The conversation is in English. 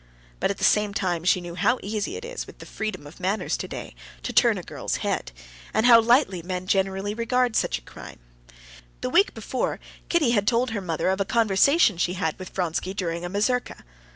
But at the same time she knew how easy it is, with the freedom of manners of today, to turn a girl's head, and how lightly men generally regard such a crime. The week before, Kitty had told her mother of a conversation she had with Vronsky during a mazurka.